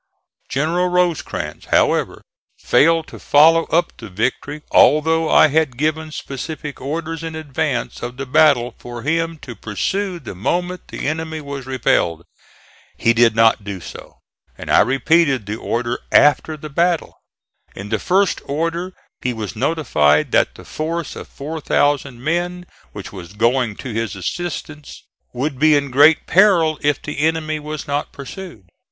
General Rosecrans, however, failed to follow up the victory, although I had given specific orders in advance of the battle for him to pursue the moment the enemy was repelled. He did not do so, and I repeated the order after the battle. In the first order he was notified that the force of 4,000 men which was going to his assistance would be in great peril if the enemy was not pursued.